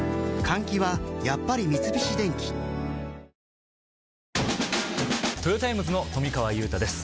本麒麟トヨタイムズの富川悠太です